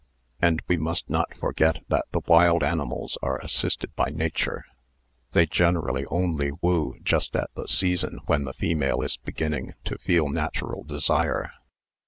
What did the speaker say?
And we must not forget that the wild animals are assisted by nature; they generally only woo just at the season when the female is beginning to feel natural desire.